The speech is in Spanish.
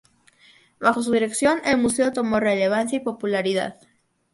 Bajo su dirección el museo tomó relevancia y popularidad.